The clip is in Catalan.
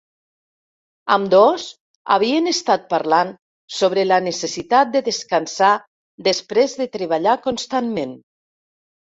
Ambdós, havien estat parlant sobre la necessitat de descansar després de treballar constantment.